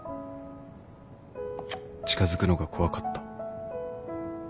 近づくのが怖かった